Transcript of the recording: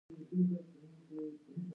هغه غوښتل چې ټولو ته خبر وکړي.